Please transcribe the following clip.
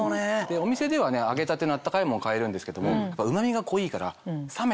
お店では揚げたての温かいものを買えるんですけどもうま味が濃いから。